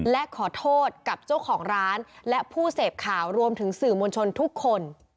และขอโทษกับเจ้าของร้านและผู้เสพข่าวรวมถึงสื่อมวลชนทุกคน